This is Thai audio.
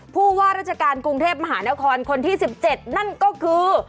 ผู้ว่าราชการกรุงเทพมหานครคนที่๑๗นั่นก็คือ